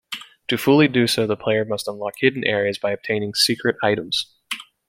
To fully do so, the player must unlock hidden areas by obtaining secret items.